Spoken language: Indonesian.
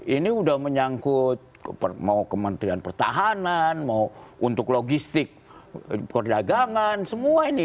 ini sudah menyangkut mau kementerian pertahanan mau untuk logistik perdagangan semua ini